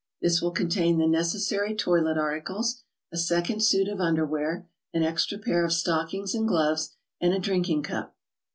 This will contain the necessary toilet articles, a second suit of un derwear, an extra pair of stockings and gloves, and a drink ing cup.